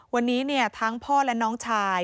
วันนี้ทั้งพ่อและน้องชาย